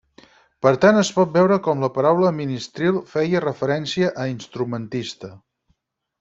Per tant, es pot veure com la paraula ministril feia referència a instrumentista.